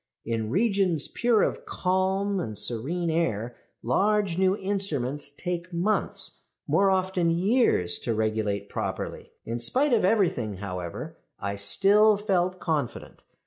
"In regions pure of calm and serene air large new instruments take months, more often years, to regulate properly. "In spite of everything, however, I still felt confident.